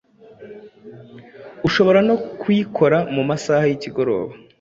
ushobora no kuyikora mu masaha y’ikigoroba